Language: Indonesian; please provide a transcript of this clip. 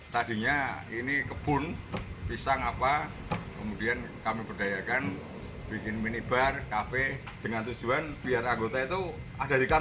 tadinya ini kebun pisang apa kemudian kami berdayakan bikin mini bar kafe dengan tujuan biar anggota itu ada di kantor terus dua puluh empat jam siap melayani masyarakat